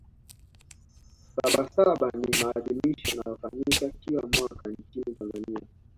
sabasaba ni maadhimisho yanayofanyika kila mwaka nchini tanzania